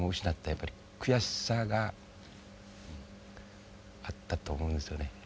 やっぱり悔しさがあったと思うんですよね。